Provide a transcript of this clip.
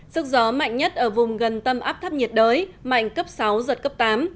sức gió mạnh nhất ở vùng gần tâm áp thấp nhiệt đới mạnh cấp sáu giật cấp tám